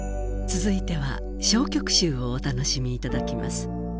続いては抄曲集をお楽しみいただきます。